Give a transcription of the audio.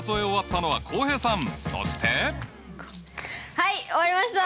はい終わりました！